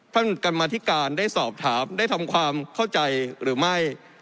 กรรมธิการได้สอบถามได้ทำความเข้าใจหรือไม่